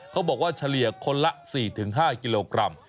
เขาบอกว่าเฉลี่ยคนละ๔๕กิโลกรัม